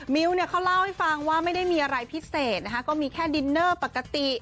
มิ้วเนี่ยเขาเล่าให้ฟังว่าไม่ได้มีอะไรพิเศษนะคะก็มีแค่ดินเนอร์ปกติ